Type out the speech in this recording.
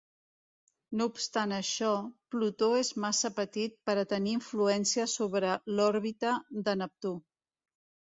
No obstant això, Plutó és massa petit per a tenir influència sobre l'òrbita de Neptú.